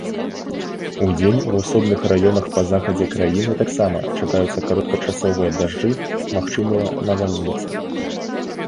Удзень у асобных раёнах па захадзе краіны таксама чакаюцца кароткачасовыя дажджы, магчымыя навальніцы.